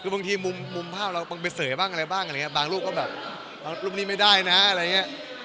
บางทีมุมภาพเราไปเสยบ้างอะไรบ้างบางรูปก็แบบรูปนี้ไม่ได้นะอะไรอย่างเงี้ย